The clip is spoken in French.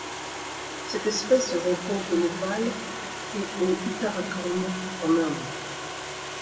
Cette espèce se rencontre au Népal et au Uttarakhand en Inde.